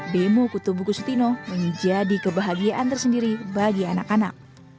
demo kutu buku sutino menjadi kebahagiaan tersendiri bagi anak anak